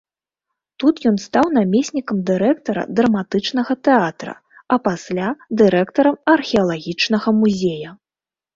Тут ён стаў намеснікам дырэктара драматычнага тэатра, а пасля дырэктарам археалагічнага музея.